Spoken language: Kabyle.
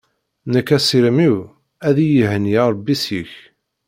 Nekk asirem-iw ad iyi-ihenni Rebbi seg-k.